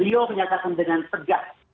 beliau menyatakan dengan tegas